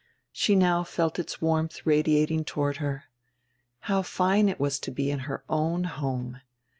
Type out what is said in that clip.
She now felt its warmth radiating toward her. How line it was to be in her own home!